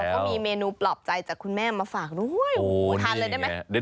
แล้วก็มีเมนูปลอบใจจากคุณแม่มาฝากด้วย